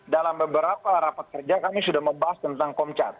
dalam beberapa rapat kerja kami sudah membahas tentang komcat